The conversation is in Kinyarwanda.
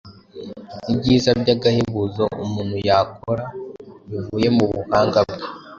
Ibyiza by’agahebuzo umuntu yakora bivuye mu buhanga bwe